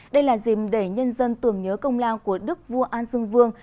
đây là dìm để nhân dân tưởng nhớ công lao của đức vua an dương vương